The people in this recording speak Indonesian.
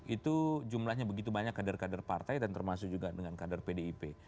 itu jumlahnya begitu banyak kader kader partai dan termasuk juga dengan kader pdip